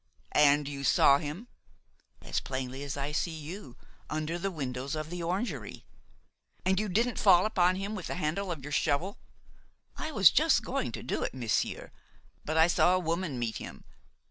"And you saw him?" "As plainly as I see you, under the windows of the orangery." "And you didn't fall upon him with the handle of your shovel?" "I was just going to do it, monsieur; but I saw a woman meet him.